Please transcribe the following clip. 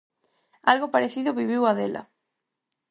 Algo parecido viviu Adela.